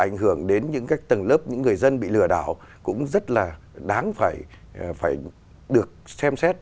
ảnh hưởng đến những cái tầng lớp những người dân bị lừa đảo cũng rất là đáng phải được xem xét